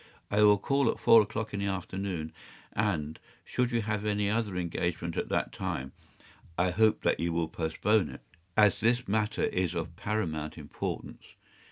I will call at four o’clock in the afternoon, and, should you have any other engagement at that time, I hope that you will postpone it, as this matter is of paramount importance.